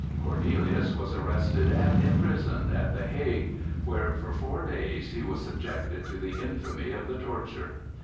Cornelius was arrested and imprisoned at the Hague, where for four days he was subjected to the infamy of the torture.